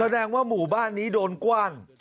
แสดงว่าหมู่บ้านนี้โดนกว้าง